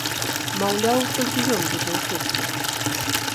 Маўляў, толькі ён будзе ў курсе.